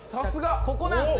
ここなんですよ